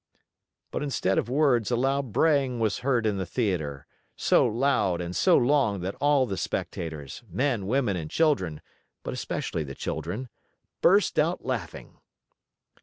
But instead of words, a loud braying was heard in the theater, so loud and so long that all the spectators men, women, and children, but especially the children burst out laughing.